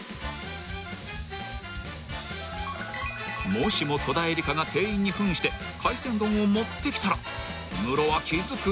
［もしも戸田恵梨香が店員に扮して海鮮丼を持ってきたらムロは気付く？